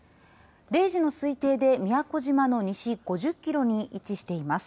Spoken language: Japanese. ０時の推定で宮古島の西５０キロに位置しています。